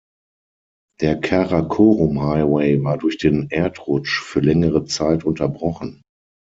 Der Karakorum-Highway war durch den Erdrutsch für längere Zeit unterbrochen.